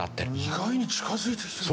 意外に近づいてきてる。